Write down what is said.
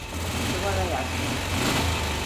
Duvara yaslan.